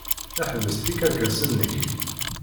Ḥbes tikerkas-nnek!